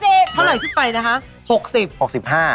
เท่าไหร่ที่ไปนะคะ๖๐